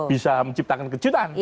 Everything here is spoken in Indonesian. dia bisa menciptakan kejutan